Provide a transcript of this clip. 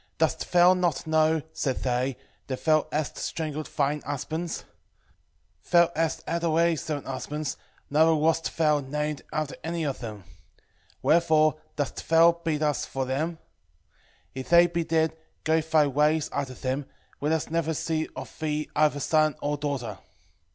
Dost thou not know, said they, that thou hast strangled thine husbands? thou hast had already seven husbands, neither wast thou named after any of them. 3:9 Wherefore dost thou beat us for them? if they be dead, go thy ways after them, let us never see of thee either son or daughter.